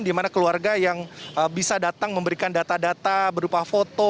di mana keluarga yang bisa datang memberikan data data berupa foto